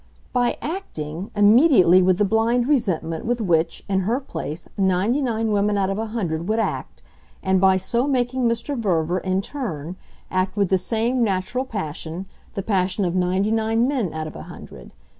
"By acting, immediately with the blind resentment with which, in her place, ninety nine women out of a hundred would act; and by so making Mr. Verver, in turn, act with the same natural passion, the passion of ninety nine men out of a hundred.